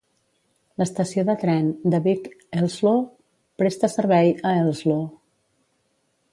L'estació de tren de Beek-Elsloo presta servei a Elsloo.